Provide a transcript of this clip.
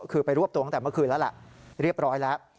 คือไปรวบตัวตั้งแต่เมื่อคืนแล้วล่ะเรียบร้อยแล้ว